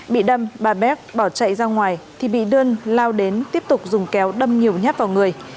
bị đâm bà bac bỏ chạy ra ngoài thì bị đươn lao đến tiếp tục dùng kéo đâm nhiều nháp vào người